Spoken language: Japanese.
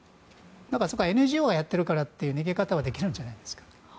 だから、そこはＮＧＯがやっているからという逃げ方はできるんじゃないですか。